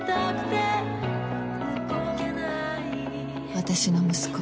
私の息子